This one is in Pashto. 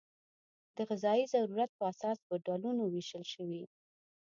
د غذایي ضرورت په اساس په ډولونو وېشل شوي.